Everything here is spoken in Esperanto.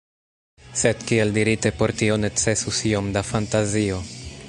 Sed kiel dirite, por tio necesus iom da fantazio.